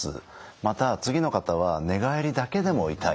また次の方は寝返りだけでも痛い。